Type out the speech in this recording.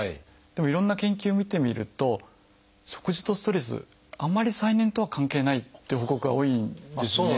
でもいろんな研究を見てみると食事とストレスあんまり再燃とは関係ないという報告が多いんですね。